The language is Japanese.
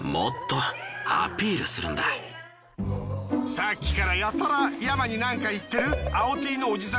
さっきからやたらＹＡＭＡになんか言ってる。